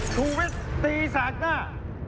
ชูวิตตีแสงหน้า